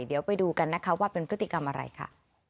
เดี๋ยวไปดูกันนะคะว่าเป็นพฤติกรรมอะไรค่ะ